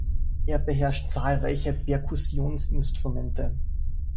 Er beherrscht zahlreiche Perkussionsinstrumente.